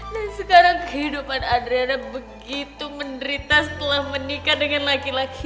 dan sekarang kehidupan adriana begitu menderita setelah menikah dengan laki laki